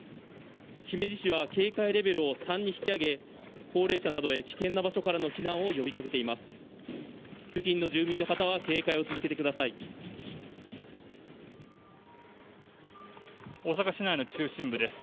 姫路市は警戒レベルを３に引き上げ高齢者などに危険な場所からの避難を呼びかけています。